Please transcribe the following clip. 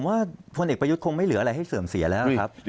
ว่าพลเอกประยุทธ์คงไม่เหลืออะไรให้เสื่อมเสียแล้วครับ